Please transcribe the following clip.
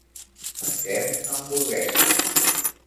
Mengem hamburgueses.